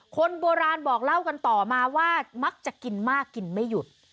คนโบราณบอกเล่ากันต่อมาว่ามักจะกินมากกินไม่หยุด